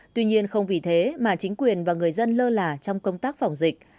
tuy nhiên không vì thế mà chính quyền và người dân lơ là trong công tác phòng dịch